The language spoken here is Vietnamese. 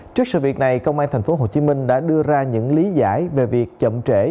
trước sự việc này công an tp hcm đã đưa ra những lý giải về việc chậm trễ